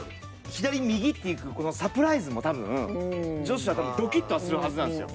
左右って行くサプライズも多分女子はドキッとはするはずなんですよ。